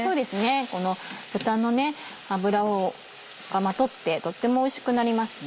この豚の脂を取ってとってもおいしくなりますね。